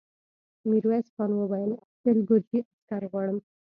ميرويس خان وويل: شل ګرجي عسکر غواړم.